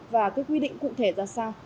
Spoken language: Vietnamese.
và cái quy định cụ thể ra sao